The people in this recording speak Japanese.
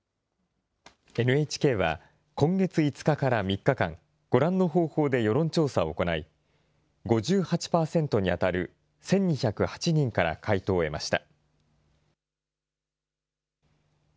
ＮＨＫは、今月５日から３日間、ご覧の方法で世論調査を行い、５８％に当たる１２０８人から回答を得ました。